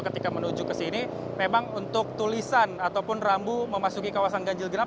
ketika menuju ke sini memang untuk tulisan ataupun rambu memasuki kawasan ganjil genap